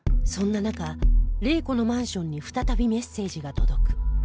そんな中玲子のマンションに再びメッセージが届く